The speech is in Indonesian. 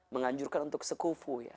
menganjurkan untuk sekufu ya